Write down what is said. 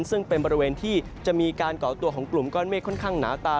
ซึ่งเป็นบริเวณที่จะมีการก่อตัวของกลุ่มก้อนเมฆค่อนข้างหนาตา